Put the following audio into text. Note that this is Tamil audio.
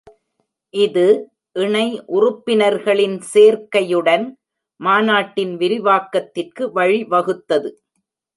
இது இணை உறுப்பினர்களின் சேர்க்கையுடன் மாநாட்டின் விரிவாக்கத்திற்கு வழிவகுத்தது.